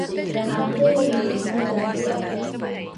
Apa yang aku dah buat.